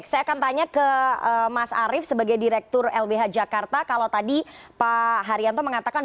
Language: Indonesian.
saya akan tanya ke mas arief sebagai direktur lbh jakarta kalau tadi pak haryanto mengatakan